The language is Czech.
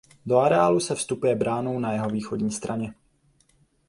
Do areálu se vstupuje bránou na jeho východní straně.